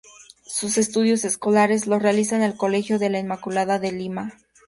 Sus estudios escolares los realiza en el Colegio de la Inmaculada de Lima.